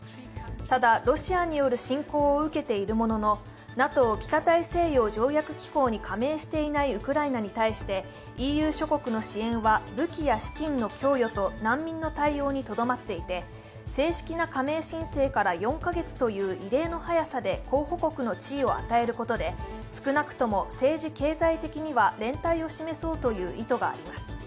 ただ、ロシアによる侵攻を受けているもののＮＡＴＯ＝北大西洋条約機構に加盟していないウクライナに対してＥＵ諸国の支援は武器や資金の供与と難民の対応にとどまっていて、正式な加盟申請から４カ月という異例の早さで候補国の地位を与えることで、少なくとも政治・経済的には連帯を示そうという意図があります。